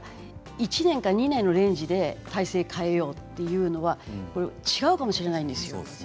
１年２年のレンジで体制を変えようというのは違うかもしれないですよ。